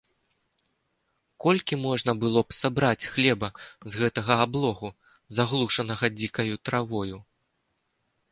Колькі можна было б сабраць хлеба з гэтага аблогу, заглушанага дзікаю травою?